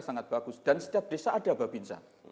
sangat bagus dan setiap desa ada babinsa